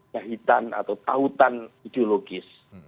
jahitan atau tautan ideologis